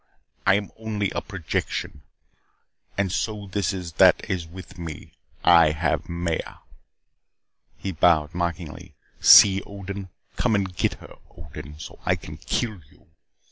I am only a projection. And so is this that is with me. I have Maya." He bowed mockingly. "See, Odin. Come and get her, Odin, so I can kill you.